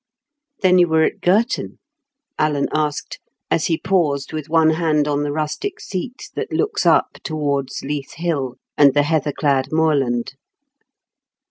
"Then you were at Girton?" Alan asked, as he paused with one hand on the rustic seat that looks up towards Leith Hill, and the heather clad moorland.